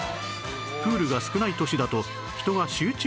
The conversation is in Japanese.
プールが少ない都市だと人が集中してしまうそう